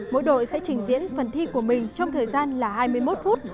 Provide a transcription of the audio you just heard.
mỗi đội sẽ trình tiễn phần thi của mình trong thời gian là hai mươi một phút